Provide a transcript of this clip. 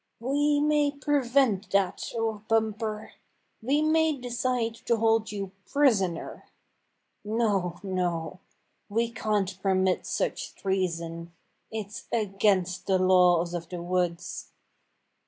" We may prevent that, O Bumper! We may decide to hold you prisoner. No, no, we can't permit such treason. It's against the laws of the woods."